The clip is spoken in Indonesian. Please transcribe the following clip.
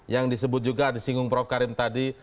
yang disebut juga di singung prof karim tadi